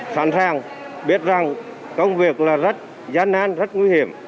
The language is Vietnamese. sẵn sàng biết rằng công việc là rất gian nan rất nguy hiểm